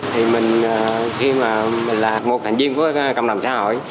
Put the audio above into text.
thì mình khi mà là một thành viên của cộng đồng xã hội